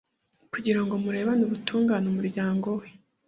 kugira ngo murebane ubutungane umuryango we